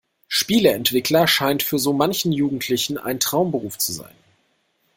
Spieleentwickler scheint für so manchen Jugendlichen ein Traumberuf zu sein.